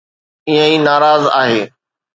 ائين ئي ناراض آهي.